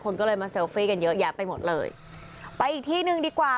คนก็เลยมาเซลฟี่กันเยอะแยะไปหมดเลยไปอีกที่หนึ่งดีกว่า